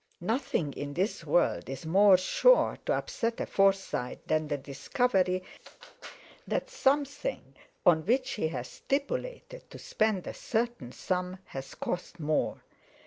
Nothing in this world is more sure to upset a Forsyte than the discovery that something on which he has stipulated to spend a certain sum has cost more.